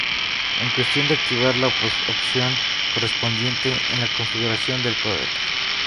Es cuestión de activar la opción correspondiente en la configuración del codec.